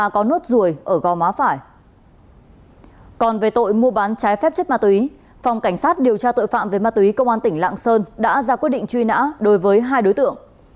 còn về tội mua bán trái phép chất ma túy phòng cảnh sát điều tra tội phạm về ma túy công an tỉnh lạng sơn đã ra quyết định truy nã đối với hai đối tượng